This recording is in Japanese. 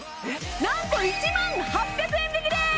なんと１万８００円引きです！